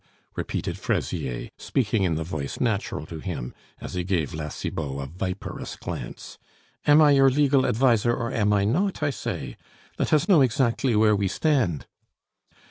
'" repeated Fraisier, speaking in the voice natural to him, as he gave La Cibot a viperous glance. "Am I your legal adviser or am I not, I say? Let us know exactly where we stand."